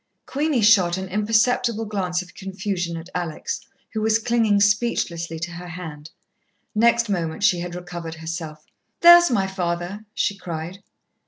Queenie shot an imperceptible glance of confusion at Alex, who was clinging speechlessly to her hand. Next moment she had recovered herself. "There's my father!" she cried.